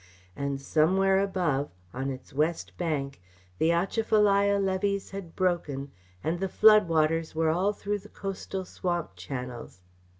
And somewhere above, on its west bank, the Atchafalaya levees had broken and the flood waters were all through the coastal swamp channels.